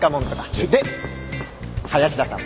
で林田さん。